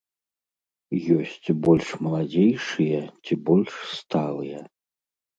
Ёсць больш маладзейшыя ці больш сталыя.